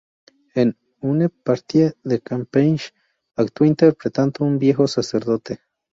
En "Une partie de campagne", actuó interpretando a un viejo sacerdote.